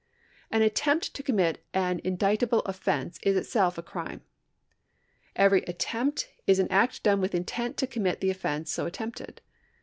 An attempt to commit an indictable offence is itself a crime. Every attempt is an act done with intent to commit the offence so attempted.